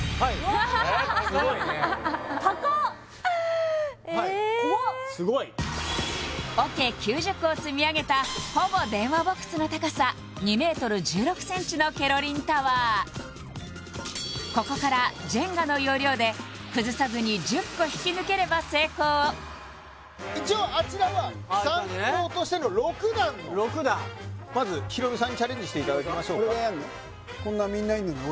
すごいねええ桶９０個を積み上げたほぼ電話ボックスの高さ２ｍ１６ｃｍのケロリンタワーここからジェンガの要領で崩さずに１０個引き抜ければ成功一応あちらは参考としての６段のまずヒロミさんにチャレンジしていただきましょうか俺がやんの？